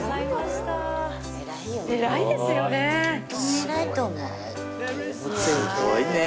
すごいね！